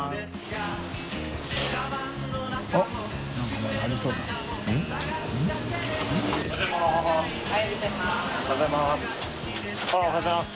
おはようございます。